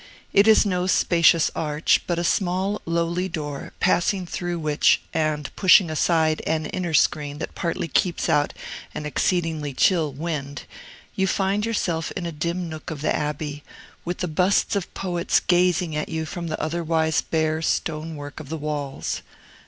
It is no spacious arch, but a small, lowly door, passing through which, and pushing aside an inner screen that partly keeps out an exceedingly chill wind, you find yourself in a dim nook of the Abbey, with the busts of poets gazing at you from the otherwise bare stone work of the walls.